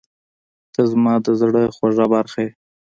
• ته زما د زړه خوږه برخه یې.